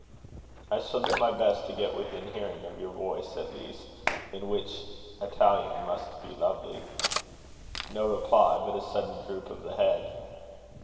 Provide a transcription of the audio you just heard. "I shall do my best to get within hearing of your voice, at least, in which Italian must be lovely." No reply, but a sudden droop of the head.